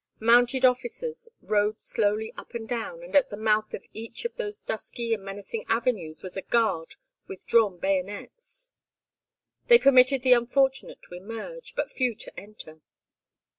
Mounted officers rode slowly up and down, and at the mouth of each of those dusky and menacing avenues was a guard with drawn bayonets. They permitted the unfortunate to emerge, but few to enter.